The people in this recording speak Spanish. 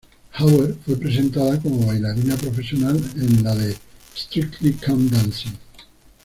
Hauer fue presentada como bailarina profesional en la de "Strictly Come Dancing".